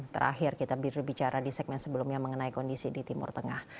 terakhir kita berbicara di segmen sebelumnya mengenai kondisi di timur tengah